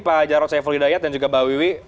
pak jarod saiful hidayat dan juga mbak wiwi